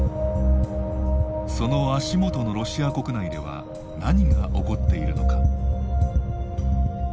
その足元のロシア国内では何が起こっているのか。